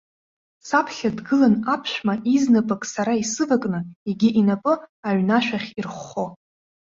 Саԥхьа дгылан аԥшәма изнапык сара исывакны, егьи инапы аҩны ашәахь ирххо.